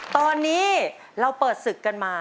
ตอนนี้เราเปิดศึกกันมา